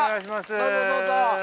どうぞどうぞ！